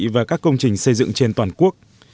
và các công trình xây dựng trên toàn quốc